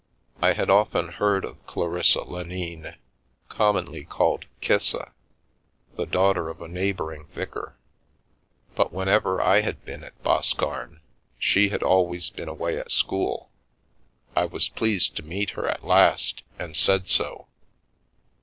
I had often heard of Clarissa Lenine, commonly called Kissa, the daughter of a neighbouring vicar, but whenever I had been at Boscarn she had always been away at school. I was pleased to meet her at last, and said so.